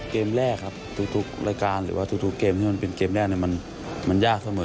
เกมแรกครับทุกรายการหรือว่าทุกเกมที่มันเป็นเกมแรกมันยากเสมอ